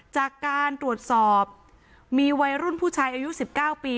จากการตรวจสอบมีวัยรุ่นผู้ชายอายุ๑๙ปี